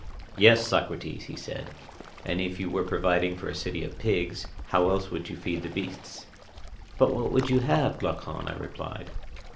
Yes, Socrates, he said, and if you were providing for a city of pigs, how else would you feed the beasts? But what would you have, Glaucon? I replied.